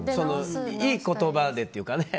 いい言葉っていうかね。